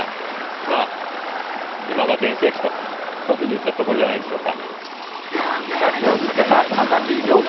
今が全盛期と言ったところじゃないでしょうか。